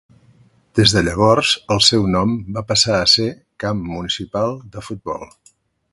Des de llavors el seu nom va passar a ser Camp Municipal de Futbol.